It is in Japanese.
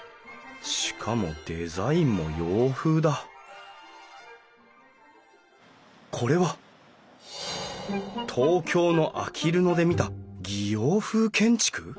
しかもデザインも洋風だこれは東京のあきる野で見た擬洋風建築？